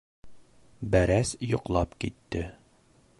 Бәрәс йоҡлап китте...